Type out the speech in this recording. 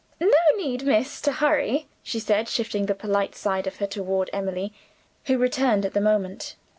No need, miss, to hurry," she said, shifting the polite side of her toward Emily, who returned at the moment.